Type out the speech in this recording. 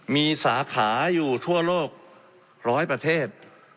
มีสาขาอยู่ทั่วโลก๑๐๐ประเทศ